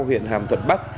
huyện hàm thuận bắc